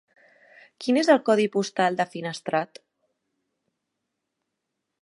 Quin és el codi postal de Finestrat?